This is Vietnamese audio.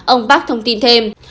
ông park thông tin thêm